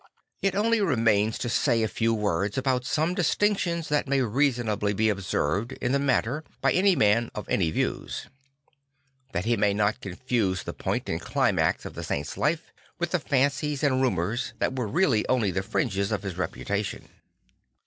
It only remains to say a few words a bout some distinctions that may reasonably be observed in the matter by any man of any views; that he may not confuse the Doint and climax of the saint':; life \vith the .a. fancies or rumours that were really only the fringes of his reputation.